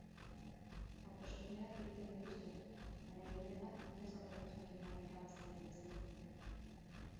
Hauteskundeak egiten dituzte, baina gehienetan aldez aurretik jakina da irabazlearen izena.